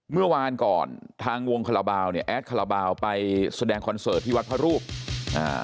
เมื่อวานก่อนทางวงคาราบาลเนี่ยแอดคาราบาลไปแสดงคอนเสิร์ตที่วัดพระรูปอ่า